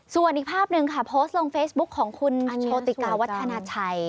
ส่วนอีกภาพหนึ่งค่ะโพสต์ลงเฟซบุ๊คของคุณโชติกาวัฒนาชัย